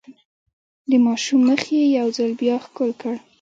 د ماشوم مخ يې يو ځل بيا ښکل کړ.